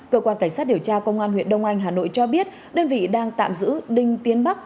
cơ quan cảnh sát điều tra công an huyện đông anh hà nội cho biết đơn vị đang tạm giữ đinh tiến bắc